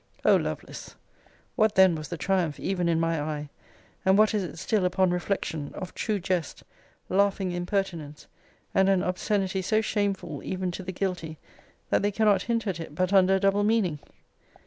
O Lovelace! what then was the triumph, even in my eye, and what is it still upon reflection, of true jest, laughing impertinence, and an obscenity so shameful, even to the guilty, that they cannot hint at it but under a double meaning!